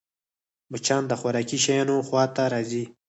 مچان د خوراکي شيانو خوا ته راځي